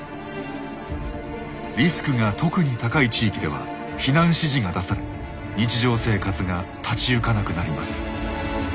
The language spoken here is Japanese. リスクが特に高い地域では避難指示が出され日常生活が立ち行かなくなります。